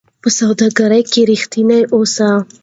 په سوداګرۍ کې رښتیني اوسئ.